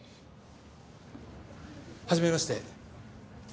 はじめまして。